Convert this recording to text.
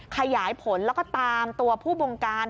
ขยายผลแล้วก็ตามตัวผู้บงการ